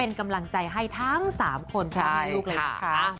เป็นกำลังใจให้ทั้ง๓คนพร้อมลูกเลยนะคะ